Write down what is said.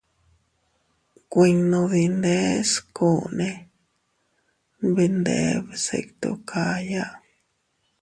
Kuinno dindeskunne nbindee bsittu kaya.